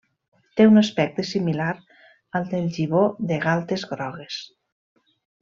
Té un aspecte similar al del gibó de galtes grogues.